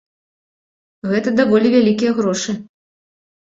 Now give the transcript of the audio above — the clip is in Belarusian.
Гэта даволі вялікія грошы.